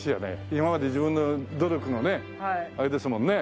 今まで自分の努力のねあれですもんね。